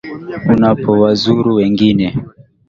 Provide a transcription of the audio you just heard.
Unapowazuru wengine